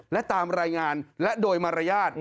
และตามรายงานและโดยมารยาท